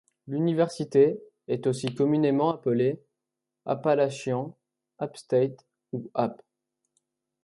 L'université est aussi communément appelée Appalachian, App State ou App.